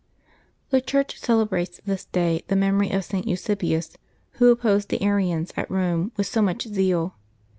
GHE Church celebrates this day the memory of St. Eusebius, who opposed the Arians, at Eome, with so much zeal.